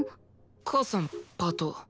母さんパート。